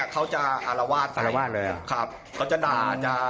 เขาจะด่า